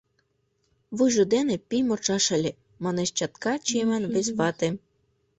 — Вуйжо дене пий модшаш ыле, — манеш чатка чиеман вес вате.